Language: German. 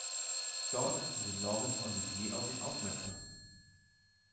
Dort wurde Laurence Olivier auf ihn aufmerksam.